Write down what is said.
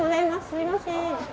すいません。